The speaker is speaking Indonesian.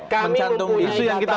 kami mempunyai data